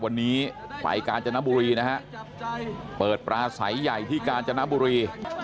วันนี้ไปกาญจนบุรีนะฮะเปิดปลาใสใหญ่ที่กาญจนบุรี